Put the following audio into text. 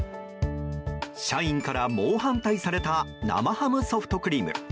社員から猛反対された生ハムソフトクリーム。